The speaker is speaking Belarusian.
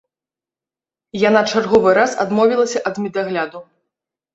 Яна чарговы раз адмовілася ад медагляду.